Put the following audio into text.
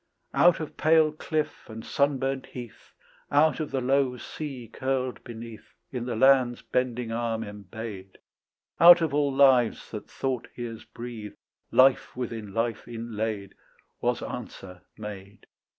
Out of pale cliff and sunburnt health, Out of the low sea curled beneath In the land's bending arm embayed, Out of all lives that thought hears breathe Life within life inlaid, Was answer made.